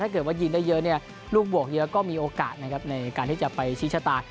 ถ้าเกิดว่ายินได้เยอะลูกบวกเยอะก็มีโอกาสในการที่จะไปชิชชาตา